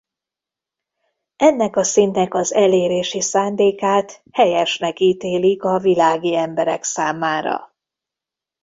Ennek a szintnek az elérési szándékát helyesnek ítélik a világi emberek számára.